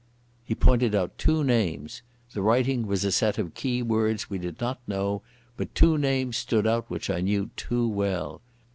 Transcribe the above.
He pointed out two names. The writing was a set of key words we did not know, but two names stood out which I knew too well.